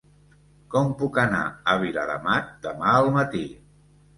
Com puc anar a Viladamat demà al matí?